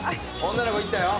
女の子行ったよ。